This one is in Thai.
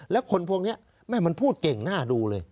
แล้วคนพวกนี้แม่มันพูดเก่งน่าดูเลย